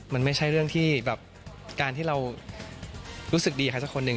มันไม่ใช่เรื่องที่แบบการที่เรารู้สึกดีใครสักคนหนึ่ง